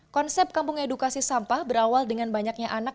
konsep kampung edukasi sampah berawal dengan banyaknya anak